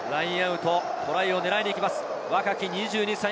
ラインアウト、トライを狙いにいきます。